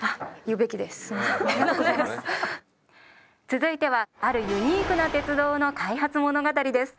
続いてはあるユニークな鉄道の開発物語です。